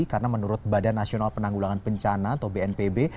karena menurut badan nasional penanggulangan pencana atau bnpb